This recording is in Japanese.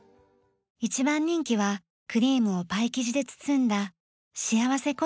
一番人気はクリームをパイ生地で包んだ幸せコルネです。